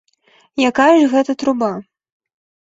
Якая ж гэта труба?